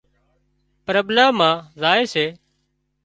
پرٻلا مان زائي سي